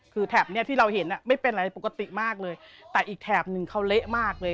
คือแถบเนี้ยที่เราเห็นไม่เป็นอะไรปกติมากเลยแต่อีกแถบนึงเขาเละมากเลย